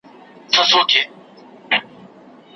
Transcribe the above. کینه او کرکه د ناروا کړنو سرچینه ده.